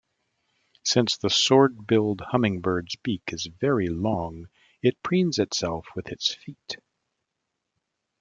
Since the sword-billed hummingbird's beak is very long, it preens itself with its feet.